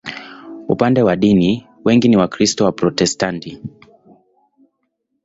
Upande wa dini, wengi ni Wakristo Waprotestanti.